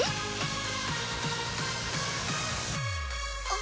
あ。